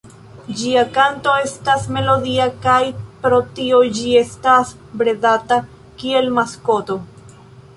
Ĝia kanto estas melodia kaj pro tio ĝi estas bredata kiel maskoto.